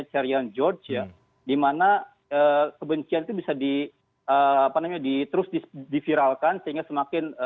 cerian george ya dimana kebencian itu bisa di apa namanya di terus diviralkan sehingga semakin